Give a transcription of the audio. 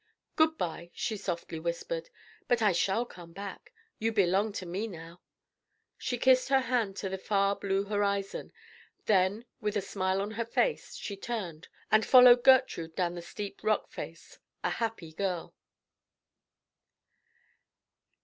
"Good by," she softly whispered. "But I shall come back. You belong to me now." She kissed her hand to the far blue horizon; then with a smile on her face, she turned, and followed Gertrude down the steep rock face, a happy girl.